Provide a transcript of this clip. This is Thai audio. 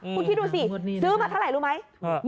คุณคิดดูสิซื้อมาเท่าไหร่รู้ไหม